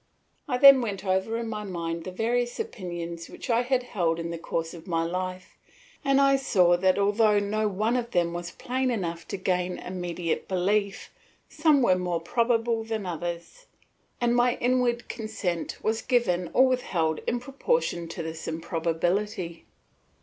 I then went over in my mind the various opinions which I had held in the course of my life, and I saw that although no one of them was plain enough to gain immediate belief, some were more probable than others, and my inward consent was given or withheld in proportion to this improbability.